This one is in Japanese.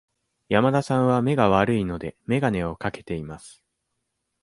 山田さんは目が悪いので、眼鏡をかけています。